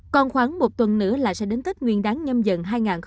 còn khoảng một tuần nữa là sẽ đến tết nguyên đáng nhâm dận hai nghìn hai mươi hai